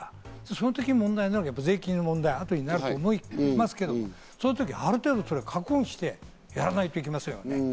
そのとき問題なのが、税金の問題になると思いますけど、ある程度、覚悟してやらなければいけませんね。